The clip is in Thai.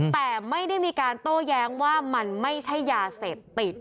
แต่ไม่ได้มีการโต้แย้งว่ามันไม่ใช่ยาเสพติด